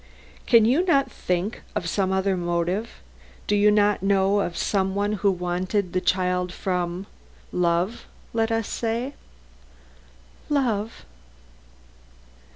Can you not think of some other motive? Do you not know of some one who wanted the child from love, let us say?" "Love?"